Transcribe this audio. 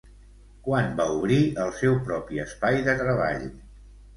Quan va obrir el seu propi espai de treball?